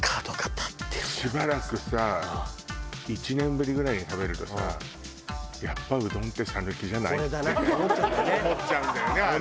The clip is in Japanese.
しばらくさ１年ぶりぐらいに食べるとさ「やっぱうどんって讃岐じゃない？」ってね思っちゃうんだよねあれ。